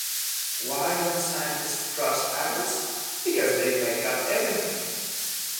Why don't scientists trust atoms? Because they make up everything!